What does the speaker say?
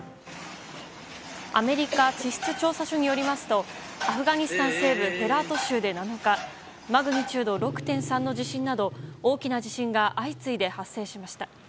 アメリカ地質調査所によりますとアフガニスタン西部ヘラート州で７日マグニチュード６．３の地震など大きな地震が相次いで発生しました。